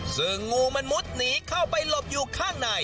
ซึ่งงูมันมุดหนีเข้าไปหลบอยู่ข้างใน